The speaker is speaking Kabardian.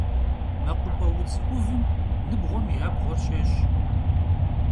Mekhup'e vudz 'Uvım nıbğuem yi abğuer şêş'.